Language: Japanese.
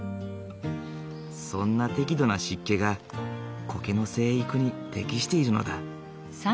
そんな適度な湿気がコケの生育に適しているのだ。